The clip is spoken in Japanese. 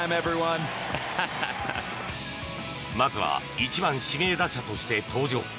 まずは１番指名打者として登場。